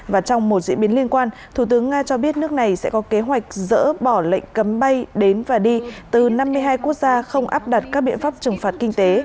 và trong một diễn biến liên quan thủ tướng nga cho biết nước này sẽ có kế hoạch dỡ bỏ lệnh cấm bay đến và đi từ năm mươi hai quốc gia không áp đặt các biện pháp trừng phạt kinh tế